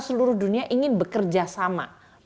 seluruh dunia ingin bekerja sama